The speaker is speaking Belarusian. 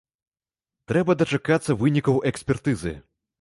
Трэба дачакацца вынікаў экспертызы.